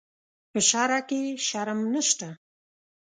په شرعه کې شرم نشته.